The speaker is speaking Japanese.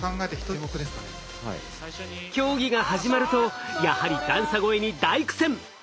競技が始まるとやはり段差越えに大苦戦。